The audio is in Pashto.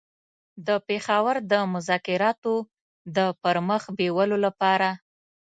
د پېښور د مذاکراتو د پر مخ بېولو لپاره.